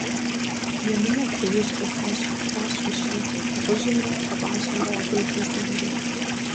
- Емынэр ди ужь къихьащ, - жиӏащ мыщэм, дыгъужьымрэ кхъуэпӏащэмрэ я деж нэсыжри.